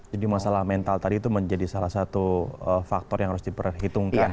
jadi masalah mental tadi itu menjadi salah satu faktor yang harus diperhitungkan